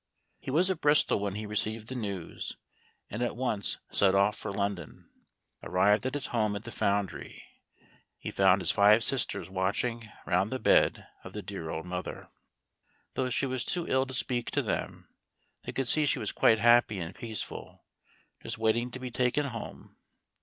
He was at Bristol when he received the news, and at once set off for London. Arrived at his home at the Foundry, he found his five sisters watching round the bed of the dear old mother. Though she was too ill to speak to them, they could see she was quite happy and peaceful, just waiting to be taken Home.